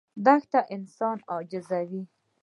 دښته انسان عاجزوي.